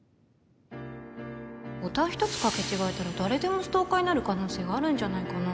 ボタンひとつ掛け違えたら誰でもストーカーになる可能性があるんじゃないかな？